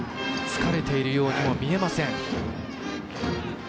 疲れているようにも見えません。